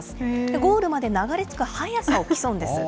ゴールまで流れ着く速さを競うんです。